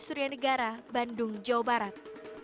surya negara bandung jawa barat